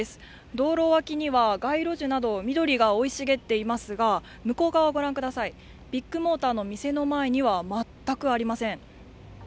道路脇には街路樹など緑が生い茂っていますが、向こう側ご覧ください、ビッグモーターの店の前には全くありません。